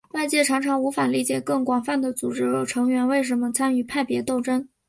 外界常常无法理解更广泛的组织成员为什么参与派别斗争。